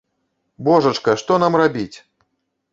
Божачка, што нам рабіць?